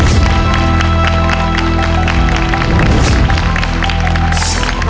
สวัสดีครับ